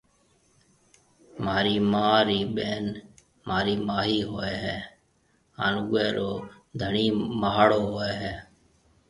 مهارِي مان رِي ٻين مهارِي ماهِي هوئيَ هيََ هانَ اوئيَ رو ڌڻِي ماهڙو هوئيَ هيَ۔